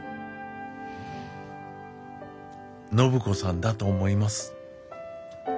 暢子さんだと思います。